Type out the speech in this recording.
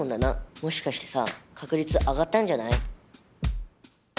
もしかしてさ確率上がったんじゃない？